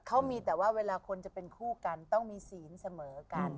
เขามีแต่ว่าเวลาคนจะเป็นคู่กันต้องมีศีลเสมอกัน